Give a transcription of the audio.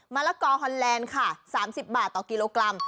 ละกอฮอนแลนด์ค่ะ๓๐บาทต่อกิโลกรัม